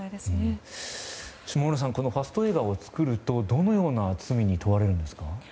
下村さん、ファスト映画を作るとどのような罪に問われるんですか。